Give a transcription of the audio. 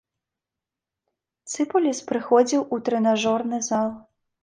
Цыпуліс прыходзіў у трэнажорны зал.